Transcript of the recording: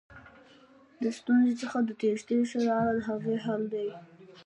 د ستونزې څخه د تېښتې ښه لاره دهغې حل کول دي.